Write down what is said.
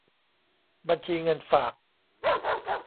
บัญชีเงินฝาก